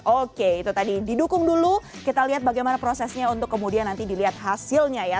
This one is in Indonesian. oke itu tadi didukung dulu kita lihat bagaimana prosesnya untuk kemudian nanti dilihat hasilnya ya